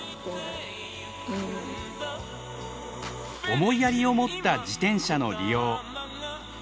思いやりを持った自転車の利用。